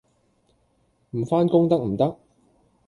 唔返工得唔得？